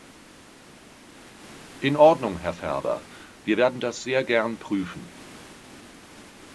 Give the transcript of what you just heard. In Ordnung, Herr Ferber, wir werden das sehr gern prüfen.